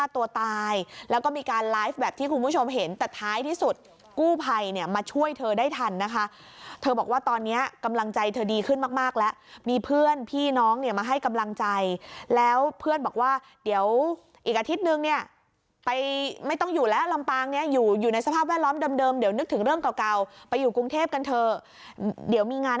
ตัวตายแล้วก็มีการไลฟ์แบบที่คุณผู้ชมเห็นแต่ท้ายที่สุดกู้ไพรเนี้ยมาช่วยเธอได้ทันนะคะเธอบอกว่าตอนเนี้ยกำลังใจเธอดีขึ้นมากมากแล้วมีเพื่อนพี่น้องเนี้ยมาให้กำลังใจแล้วเพื่อนบอกว่าเดี๋ยวอีกอาทิตย์นึงเนี้ยไปไม่ต้องอยู่แล้วลำปางเนี้ยอยู่อยู่ในสภาพแวดล้อมเดิมเดิมเดี๋ยวนึกถึง